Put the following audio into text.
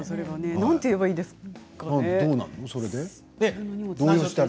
なんと言えばいいんですかね。